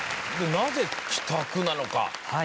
なぜ「きたく」なのか。